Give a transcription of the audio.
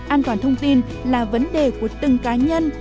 an toàn thông tin là vấn đề của từng cá nhân